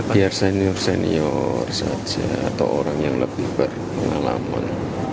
biar senior senior saja atau orang yang lebih berpengalaman